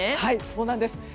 そうなんです。